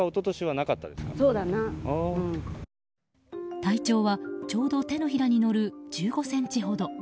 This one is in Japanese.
体長はちょうど手のひらに乗る１５ｃｍほど。